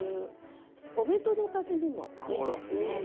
お弁当のおかずにもいいですよ。